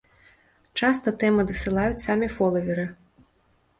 Часта тэмы дасылаюць самі фолаверы.